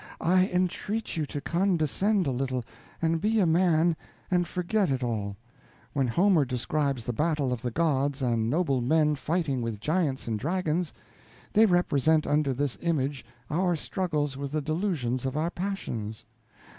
I entreat you to condescend a little, and be a man, and forget it all. When Homer describes the battle of the gods and noble men fighting with giants and dragons, they represent under this image our struggles with the delusions of our passions.